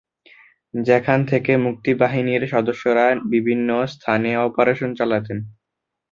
যেখান থেকে মুক্তিবাহিনীর সদস্যরা বিভিন্ন স্থানে অপারেশন চালাতেন।